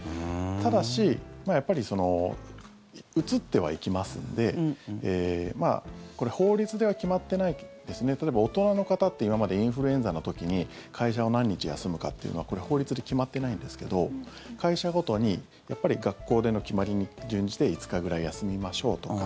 ただし、やっぱりうつってはいきますんで法律では決まってない例えば大人の方って今までインフルエンザの時に会社を何日休むかっていうのはこれ法律で決まってないんですけど会社ごとにやっぱり学校での決まりに準じて５日ぐらい休みましょうとか。